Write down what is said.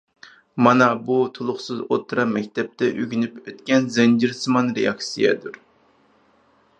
مانا بۇ تولۇقسىز ئوتتۇرا مەكتەپتە ئۆگىنىپ ئۆتكەن زەنجىرسىمان رېئاكسىيەدۇر.